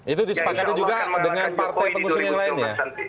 itu disepakati juga dengan partai pengusung yang lain ya